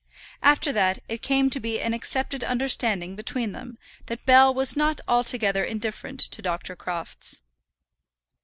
After that it came to be an accepted understanding between them that Bell was not altogether indifferent to Dr. Crofts.